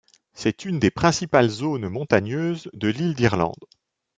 C’est une des principales zones montagneuses de l'île d'Irlande.